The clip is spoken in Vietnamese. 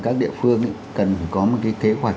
các địa phương cần có một kế hoạch